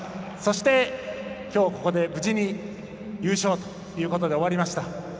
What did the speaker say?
そして、きょうここで無事に優勝ということで終わりました。